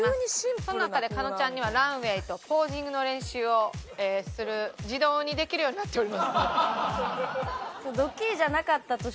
その中で加納ちゃんにはランウェイとポージングの練習をする自動にできるようになっておりますので。